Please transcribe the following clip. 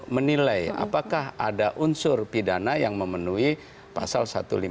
menilai apakah ada unsur pidana yang memenuhi pasal satu ratus lima puluh